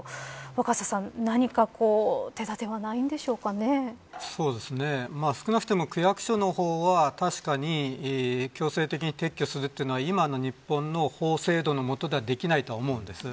若狭さん、何か手だては少なくとも区役所の方は確かに強制的に撤去するというのは今の日本の法制度のもとではできないと思うんです。